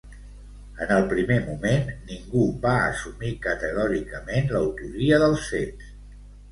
En el primer moment, ningú va assumir categòricament l'autoria dels fets.